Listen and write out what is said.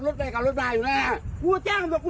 มึงขายทางหนู